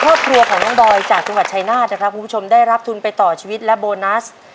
ครอบครัวของน้องบอยจากจังหวัดชายนาฏนะครับคุณผู้ชมได้รับทุนไปต่อชีวิตและโบนัส